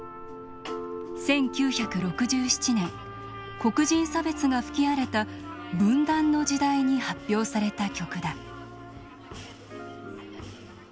１９６７年黒人差別が吹き荒れた分断の時代に発表された曲だ。